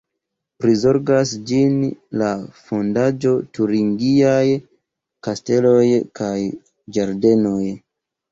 Prizorgas ĝin la "Fondaĵo Turingiaj Kasteloj kaj Ĝardenoj.